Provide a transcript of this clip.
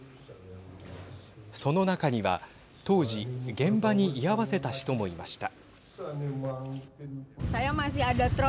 その中には当時現場に居合わせた人もいました。